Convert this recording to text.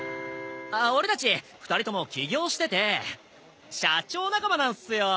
オレたち２人とも起業してて社長仲間なんすよ。